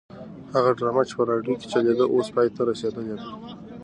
هغه ډرامه چې په راډیو کې چلېده اوس پای ته رسېدلې ده.